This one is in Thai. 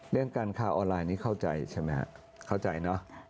เรื่องการข่าวออนไลน์นี้เข้าใจใช่ไหมครับเข้าใจเนอะ